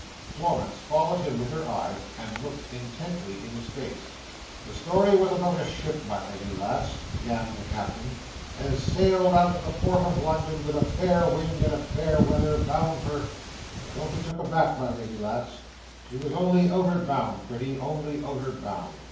Florence followed him with her eyes, and looked intently in his face. "The story was about a ship, my lady lass," began the Captain, "as sailed out of the Port of London, with a fair wind and in fair weather, bound for—don't be took aback, my lady lass, she was only out'ard bound, pretty, only out'ard bound!"